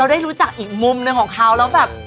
ได้รู้จักอีกมุมหนึ่งของเขาแล้วแบบ